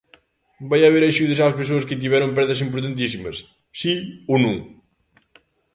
¿Vai haber axudas ás persoas que tiveron perdas importantísimas, si ou non?